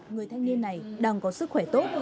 người thanh niên này đang có sức khỏe tốt